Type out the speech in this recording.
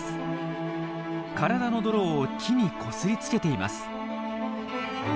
体の泥を木にこすりつけています。